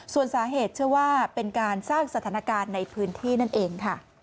ส่วนสาเหตุเชื่อว่าเป็นการสร้างสถานการณ์ในพื้นที่นั่นเองค่ะ